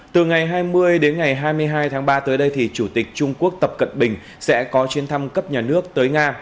từ ngày hai mươi đến ngày hai mươi hai tháng ba tới đây thì chủ tịch trung quốc tập cận bình sẽ có chuyến thăm cấp nhà nước tới nga